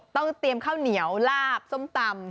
ต้องเตรียมข้าวเหนียวลาบส้มตำ